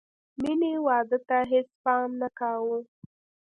مینې واده ته هېڅ پام نه کاوه